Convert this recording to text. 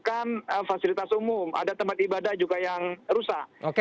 dan ini juga kerusakan fasilitas umum ada tempat ibadah juga yang rusak